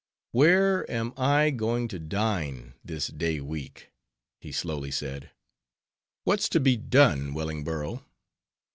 "Where am I going to dine, this day week?"—he slowly said. "What's to be done, Wellingborough?"